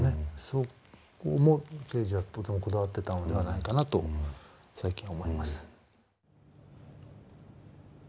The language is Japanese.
そこもケージはとてもこだわってたのではないかなと最近は思います。